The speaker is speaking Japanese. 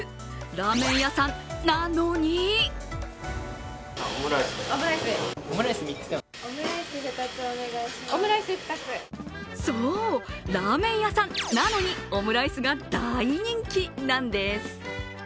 ラーメン屋さんな・の・にそう、ラーメン屋さんなのに、オムライスが大人気なんです。